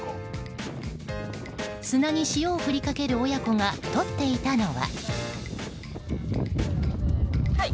砂に塩を振りかける親子がとっていたのは。